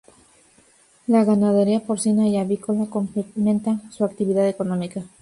La ganadería porcina y avícola complementa su actividad económica.